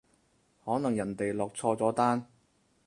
可能人哋落錯咗單